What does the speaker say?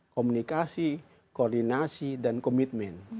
komunikasi koordinasi dan komitmen